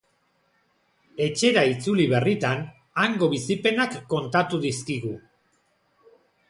Etxera itzuli berritan, hango bizipenak kontatu dizkigu.